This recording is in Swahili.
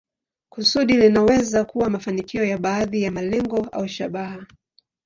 Kusudi linaweza kuwa mafanikio ya baadhi ya malengo au shabaha.